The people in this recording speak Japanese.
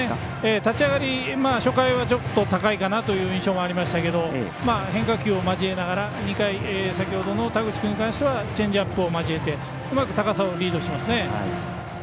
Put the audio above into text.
立ち上がり、初回はちょっと高いかなという印象がありましたが変化球を交えながら２回、先ほどの田口君に対してはチェンジアップを交えてうまく高さをリードしていますね。